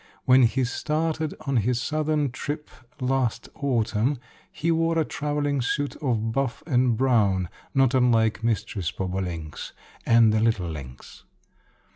When he started on his southern trip last autumn, he wore a traveling suit of buff and brown, not unlike Mistress Bobolink's and the little Links'.